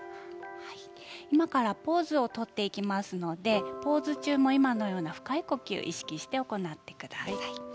今からポーズを取っていきますのでポーズ中も今のような深い呼吸を意識して行ってください。